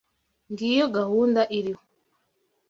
Ngiyo gahunda iriho